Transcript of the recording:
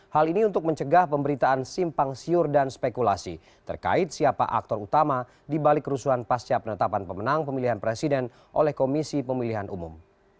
hal ini untuk mencegah pemberitaan simpang siur dan spekulasi terkait siapa aktor utama di balik kerusuhan pasca penetapan pemenang pemilihan presiden oleh komisi pemilihan umum